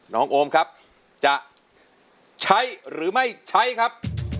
โอมครับจะใช้หรือไม่ใช้ครับ